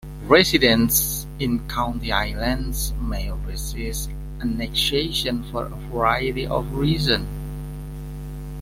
Residents in county islands may resist annexation for a variety of reasons.